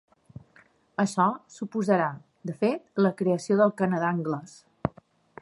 Això suposarà de fet la creació del Canadà anglès.